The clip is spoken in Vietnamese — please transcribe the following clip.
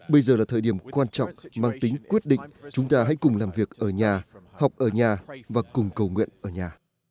bây giờ là thời điểm quan trọng mang tính quyết định chúng ta hãy cùng làm việc ở nhà học ở nhà và cùng cầu nguyện ở nhà